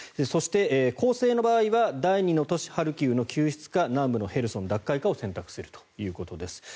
そして攻勢の場合は第２の都市ハルキウの救出か南部の都市ヘルソンの奪還かを選択するということです。